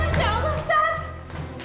masya allah seth